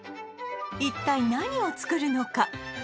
一体何を作るのか？